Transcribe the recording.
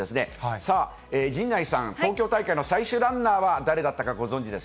さあ、陣内さん、東京大会の最終ランナーは誰だったかご存じです